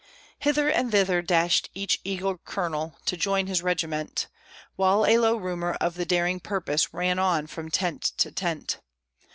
Hither and thither dashed each eager Colonel, to join his regiment, While a low rumor of the daring purpose ran on from tent to tent.